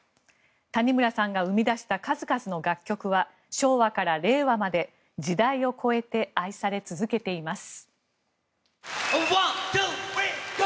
谷村さんが生み出した数々の楽曲は昭和から令和まで、時代を超えて愛され続けています。